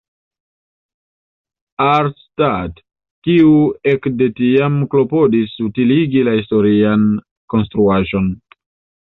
Arnstadt" kiu ekde tiam klopodis utiligi la historian konstruaĵon.